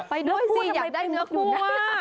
ไปด้วยสิอยากได้เนื้อคั่ว